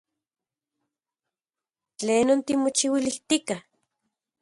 ¿Tlenon timochiuilijtika?